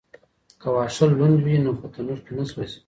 که واښه لوند وي نو په تنور کي نه سوځي.